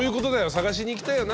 探しに行きたいよな。